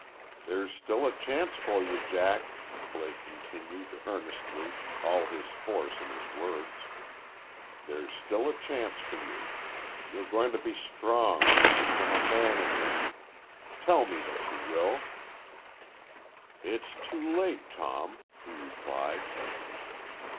"There's still a chance for you, Jack." Blake continued, earnestly, all his force in his words. "There's still a chance for you. You're going to be strong, and become a man again! Tell me that you will!" "It's too late, Tom," he replied.